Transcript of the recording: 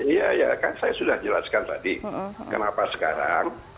iya ya kan saya sudah jelaskan tadi kenapa sekarang